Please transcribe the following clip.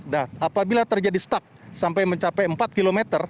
nah apabila terjadi stuck sampai mencapai empat km